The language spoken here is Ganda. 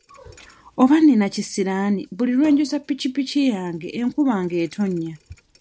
Oba nina kisiraani buli lwe njoza pikipiki yange enkuba ng'etonnya.